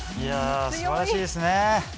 素晴らしいですね。